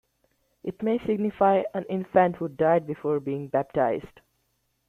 It may signify an infant who died before being baptized.